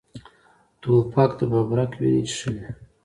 توپک د ببرک وینې څښلي.